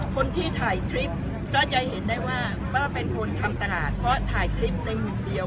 คนที่ถ่ายคลิปก็จะเห็นได้ว่าป้าเป็นคนทำตลาดเพราะถ่ายคลิปในมุมเดียว